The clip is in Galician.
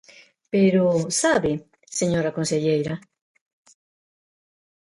Pero ¿sabe, señora conselleira?